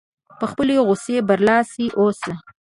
په خپلې غوسې برلاسی اوسي.